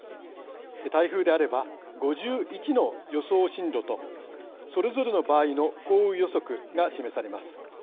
台風であれば５１の予想進路とそれぞれの場合の降雨予測が示されます。